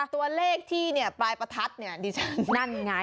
ตัวเลขที่เนี่ยปลายประทัดเนี่ยดิฉันนั่นไง